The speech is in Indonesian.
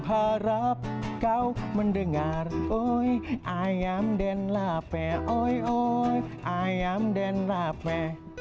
berharap kau mendengar ui ayam dan lape ui ui ayam dan lape